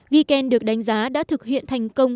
giken được đánh giá đã thực hiện thành công